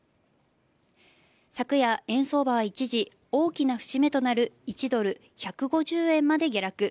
昨夜、円相場は一時、大きな節目となる１ドル１５０円まで下落。